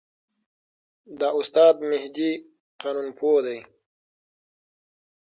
دا استاد مهدي قانونپوه دی.